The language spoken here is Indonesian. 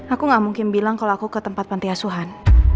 aku gak mungkin bilang kalau aku ke tempat pantiasuhan